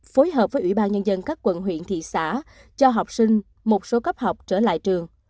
phối hợp với ủy ban nhân dân các quận huyện thị xã cho học sinh một số cấp học trở lại trường